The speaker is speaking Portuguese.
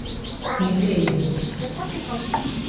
entrelinhas